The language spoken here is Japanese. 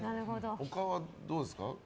他はどうですか？